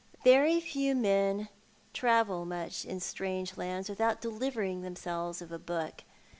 Very few men travel mucli in strange lands without delivering themselves of a book.